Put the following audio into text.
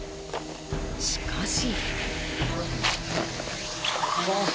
しかし。